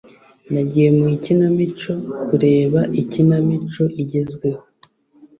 Nagiye mu ikinamico kureba ikinamico igezweho.